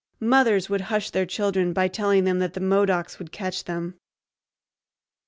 Mothers would hush their children by telling them that the Modocs would catch them.